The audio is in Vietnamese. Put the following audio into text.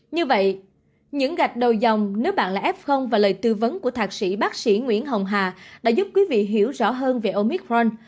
như vậy những gạch đầu dòng nếu bạn là f và lời tư vấn của thạc sĩ bác sĩ nguyễn hồng hà đã giúp quý vị hiểu rõ hơn về omicron